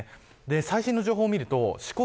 最新の情報を見ると四国